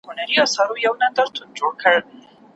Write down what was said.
پټ یې څنګ ته ورنیژدې سو غلی غلی